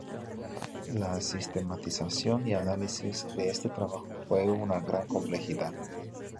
La sistematización y análisis de este trabajo fue de una gran complejidad.